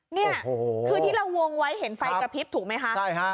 นี่คือที่เราวงไว้เห็นไฟกระพริบถูกไหมคะใช่ฮะ